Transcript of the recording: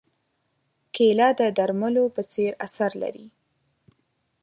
کېله د درملو په څېر اثر لري.